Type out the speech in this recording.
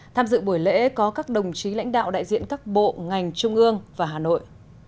tham dự buổi lễ có các đồng chí lãnh đạo đại diện các bộ ngành trung ương và hà nội